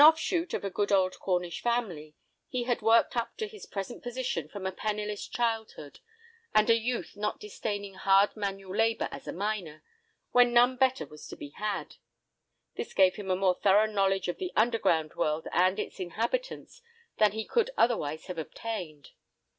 An off shoot of a good old Cornish family, he had worked up to his present position from a penniless childhood and a youth not disdaining hard manual labour as a miner, when none better was to be had. This gave him a more thorough knowledge of the underground world and its inhabitants than he could otherwise have obtained.